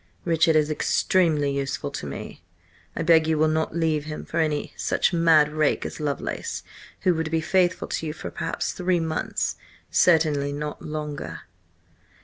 Richard is extremely useful to me. I beg you will not leave him for any such mad rake as Lovelace, who would be faithful to you for perhaps three months, certainly not longer."